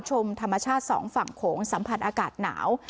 ชมธรรมชาติสองฝั่งโขงสัมผัสอากาศหนาว